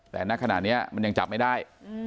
แต่ณขณะนี้มันยังจับไม่ได้